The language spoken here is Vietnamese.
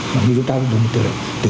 mà người ta dùng từ